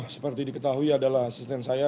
seperti diketahui adalah asisten saya